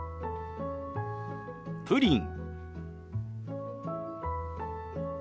「プリン」。